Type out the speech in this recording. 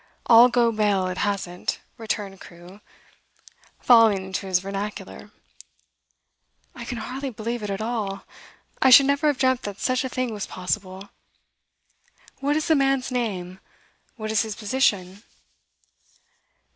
'I'll go bail it hasn't!' returned Crewe, falling into his vernacular. 'I can hardly believe it at all. I should never have dreamt that such a thing was possible. What is the man's name? what is his position?